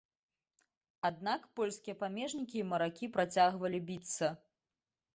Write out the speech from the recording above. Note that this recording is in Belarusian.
Аднак польскія памежнікі і маракі працягвалі біцца.